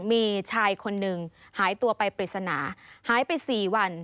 มีชายคนหนึ่งหายตัวไปปริศนาหายไป๔วัน